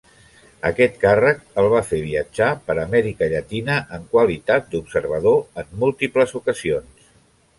Aquest càrrec el va fer viatjar per Amèrica Llatina en qualitat d'observador en múltiples ocasions.